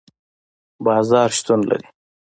بازار شتون لري